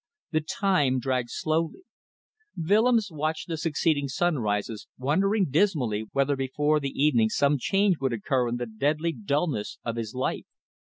The time dragged slowly. Willems watched the succeeding sunrises wondering dismally whether before the evening some change would occur in the deadly dullness of his life.